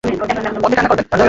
ঐখানে আমার উঠা দরকার।